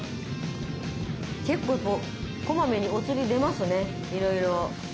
結構こまめにおつり出ますねいろいろ。